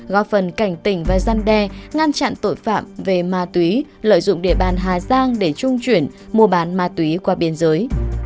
góp phần cảnh tỉnh và gian đe ngăn chặn tội phạm về ma túy lợi dụng địa bàn hà giang để trung chuyển mua bán ma túy qua biên giới